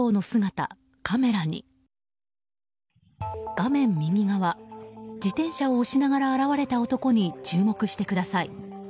画面右側自転車を押しながら現れた男に注目してください。